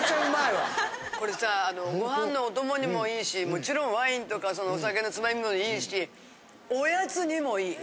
これさぁご飯のお供にもいいしもちろんワインとかお酒のつまみにもいいしおやつにもいい。